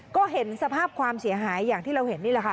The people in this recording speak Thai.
ก็เห็นสภาพความเสียหายอย่างที่เราเห็นนี่แหละค่ะ